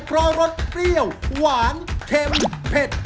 เพราะรสเปรี้ยวหวานเค็มเผ็ด